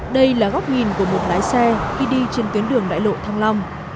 đây là góc nhìn của một lái xe khi đi trên tuyến đường đại lộ thăng long